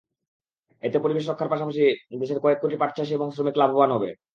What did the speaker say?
এতে পরিবেশ রক্ষার পাশাপাশি দেশের কয়েক কোটি পাটচাষি এবং শ্রমিক লাভবান হবে।